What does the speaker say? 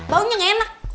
baunya nggak enak